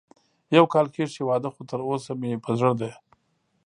يو کال کېږي چې واده خو تر اوسه مې په زړه ده